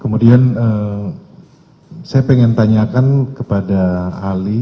kemudian saya ingin tanyakan kepada ahli